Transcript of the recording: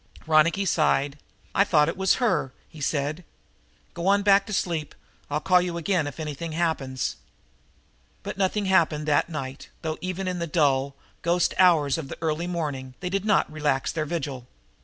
Ronicky sighed. "I thought we had her," he said. "Go on back to sleep. I'll call you again if anything happens." But nothing more happened that night, though even in the dull, ghost hours of the early morning they did not relax their vigil.